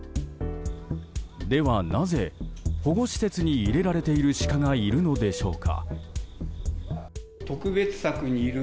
では、なぜ保護施設に入れられているシカがいるのでしょうか。